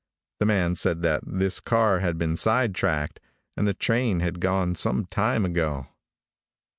The man said that this car had been side tracked, and the train had gone sometime ago.